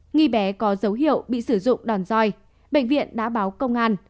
nghi bé có dấu hiệu bị sử dụng đòn roi bệnh viện đã báo công an